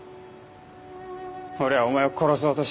俺はお前を殺そうと。